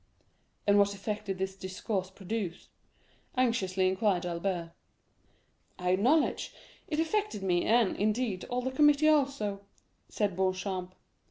"And what effect did this discourse produce?" anxiously inquired Albert. "I acknowledge it affected me, and, indeed, all the committee also," said Beauchamp.